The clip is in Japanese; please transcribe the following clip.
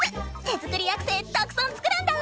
手作りアクセたくさん作るんだぁ！